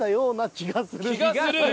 「気がする」？